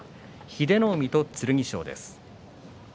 英乃海と剣翔です。